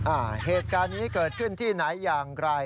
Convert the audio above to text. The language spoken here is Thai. อ่าเหตุการณ์นี้เกิดขึ้นที่ไหนอย่างไร